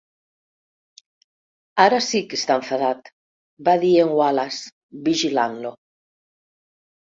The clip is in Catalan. "Ara sí que està enfadat", va dir en Wallace, vigilant-lo.